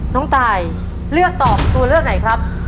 น้องตายเลือกตอบตัวเลือกไหนครับ